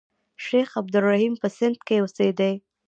شیخ عبدالرحیم په سند کې اوسېدی.